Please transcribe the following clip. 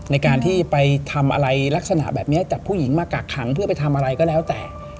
ในการที่ไปทำอะไรลักษณะแบบนี้จากผู้หญิงมากักขังเพื่อไปทำอะไรก็แล้วแต่